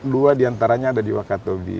dua di antaranya ada di wakatobi